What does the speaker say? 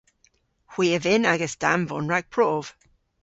Hwi a vynn agas danvon rag prov.